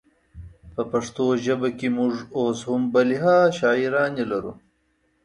په پښتو ژبه کې مونږ اوس هم بلها شاعرانې لرو